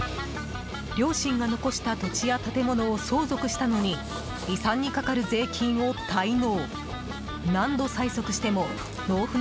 両親が残した土地や建物を相続したのに遺産にかかる税金を滞納。